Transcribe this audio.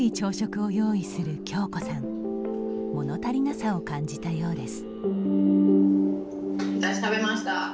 もの足りなさを感じたようです。